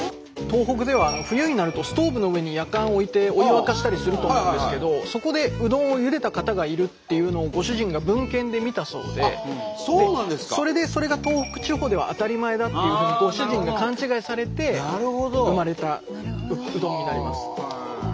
東北では冬になるとストーブの上にやかんを置いてお湯を沸かしたりすると思うんですけどそこでうどんをゆでた方がいるっていうのをご主人が文献で見たそうでそれでそれが東北地方では当たり前だっていうふうにご主人が勘違いされて生まれたうどんになります。